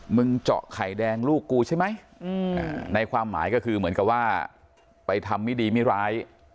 มึงเจาะไข่แดงลูกกูใช่ไหมในความหมายก็คือเหมือนกับว่าไปทำไม่ดีไม่ร้าย